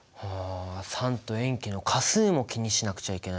酸と塩基の価数も気にしなくちゃいけないのか。